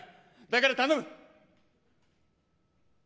だから頼む！